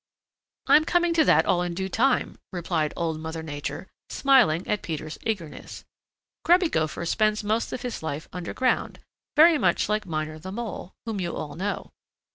"I'm coming to that all in due time," replied Old Mother Nature, smiling at Peter's eagerness. "Grubby Gopher spends most of his life underground, very much like Miner the Mole, whom you all know.